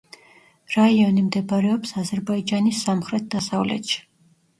რაიონი მდებარეობს აზერბაიჯანის სამხრეთ-დასავლეთში.